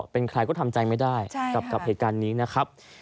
เป็นใครก็ทำใจไม่ได้กับเหตุการณ์นี้นะครับ